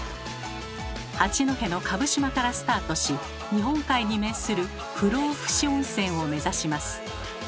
八戸の蕪島からスタートし日本海に面する不老ふ死温泉を目指します。